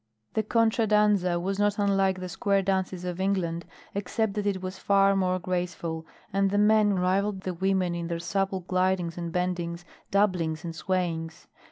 The contra danza was not unlike the square dances of England except that it was far more graceful, and the men rivalled the women in their supple glidings and bendings, doublings and swayings.